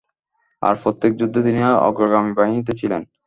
আর প্রত্যেক যুদ্ধে তিনি অগ্রগামী বাহিনীতে ছিলেন।